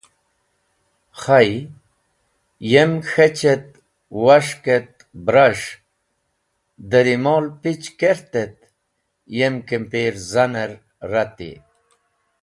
Khay, yem k̃hech et was̃hk et bres̃h dẽ rumol pich kert et yem kimpirzaner rati.